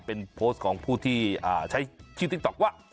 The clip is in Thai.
เป็นโพสต์ของผู้ที่ใช้ชื่อติ๊กต๊อกว่า